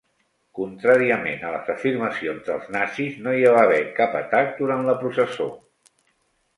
Contràriament a les afirmacions dels nazis, no hi va haver cap atac durant la processó.